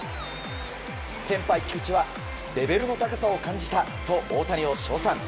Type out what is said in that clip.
先輩・菊池はレベルの高さを感じたと大谷を称賛。